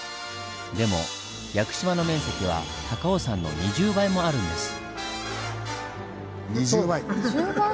でも屋久島の面積は高尾山の２０倍もあるんです。